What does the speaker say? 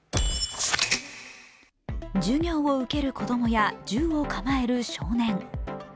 授業を受ける子供や銃を構える少年。